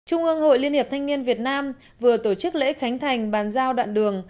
trung ương hội liên hiệp thanh niên việt nam vừa tổ chức lễ khánh thành bàn giao đoạn đường